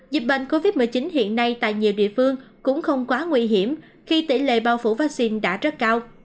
dịch bệnh covid một mươi chín hiện nay tại nhiều địa phương cũng không quá nguy hiểm khi tỷ lệ bao phủ vaccine đã rất cao